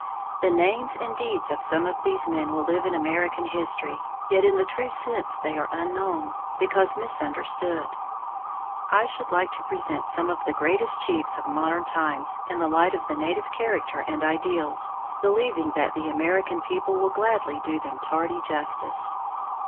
The names and deeds of some of these men will live in American history, yet in the true sense they are unknown, because misunderstood. I should like to present some of the greatest chiefs of modern times in the light of the native character and ideals, believing that the American people will gladly do them tardy justice.